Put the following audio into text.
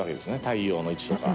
太陽の位置とか。